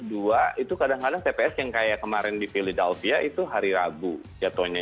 dua itu kadang kadang tps yang kayak kemarin di philadelphia itu hari ragu jatuhnya